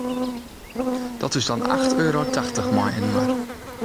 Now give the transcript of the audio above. Dat is dan acht euro tachtich mei inoar.